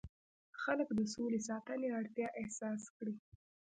خلک د سولې ساتنې اړتیا احساس کړي.